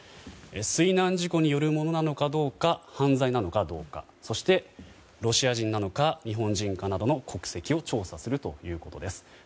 水難事故によるものなのかどうか犯罪なのかどうかそして、ロシア人なのか日本人かなどの国籍を調査するということです。